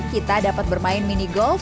kita dapat bermain mini golf